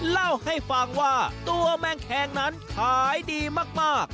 เล่าให้ฟังว่าตัวแมงแคงนั้นขายดีมาก